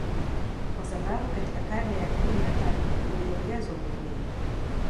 kwa sababu katika karne ya kumi na tatu uliongezwa mwingine